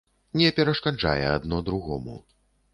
Не перашкаджае адно другому.